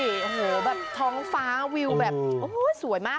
โอ้โหแบบท้องฟ้าวิวแบบโอ้สวยมาก